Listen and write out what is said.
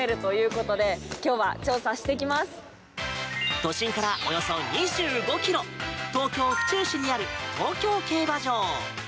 都心からおよそ２５ｋｍ東京・府中市にある東京競馬場。